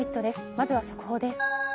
まずは速報です。